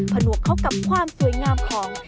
ผนวกเข้ากับความสวยงามของ